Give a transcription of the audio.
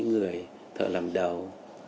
là những người thợ làm đầu